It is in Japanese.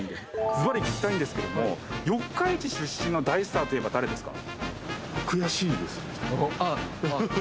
ずばり聞きたいんですけども四日市出身の大スターといえば誰ですか？